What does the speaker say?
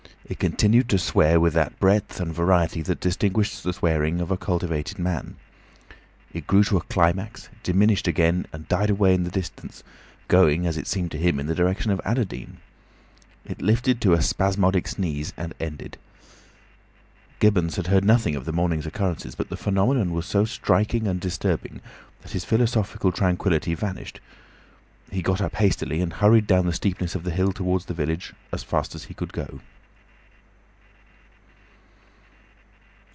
It continued to swear with that breadth and variety that distinguishes the swearing of a cultivated man. It grew to a climax, diminished again, and died away in the distance, going as it seemed to him in the direction of Adderdean. It lifted to a spasmodic sneeze and ended. Gibbons had heard nothing of the morning's occurrences, but the phenomenon was so striking and disturbing that his philosophical tranquillity vanished; he got up hastily, and hurried down the steepness of the hill towards the village, as fast as he could go.